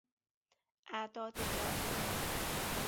اعداد جادویی